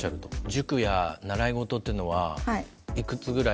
塾や習い事というのはいくつぐらい？